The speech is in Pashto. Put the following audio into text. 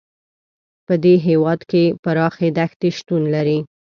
په دې هېوادونو کې پراخې دښتې شتون لري.